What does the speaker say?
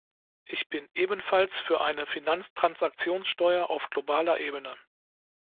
Ich bin ebenfalls für eine Finanztransaktionssteuer auf globaler Ebene.